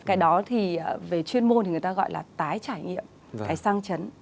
cái đó thì về chuyên môn người ta gọi là tái trải nghiệm cái sang chấn